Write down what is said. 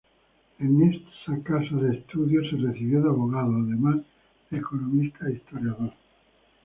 En esa casa de estudios se recibió de abogado, además de economista e historiador.